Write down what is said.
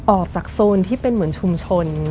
ออกจากโซนที่เป็นเหมือนชุมชน